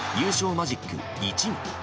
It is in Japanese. マジック１に。